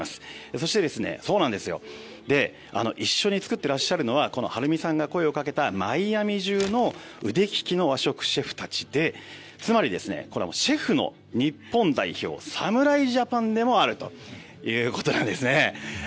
そして一緒に作ってらっしゃるのは治美さんが声をかけたマイアミ中の腕利きの和食シェフたちでつまり、シェフの日本代表侍ジャパンでもあるということなんですね。